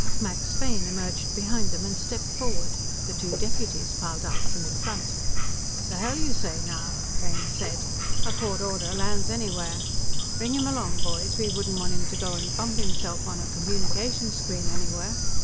Max Fane emerged behind them and stepped forward; the two deputies piled out from in front. "The hell you say, now," Fane said. "A court order lands anywhere. Bring him along, boys; we wouldn't want him to go and bump himself on a communication screen anywhere."